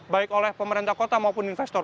baik oleh pemerintah kota maupun investor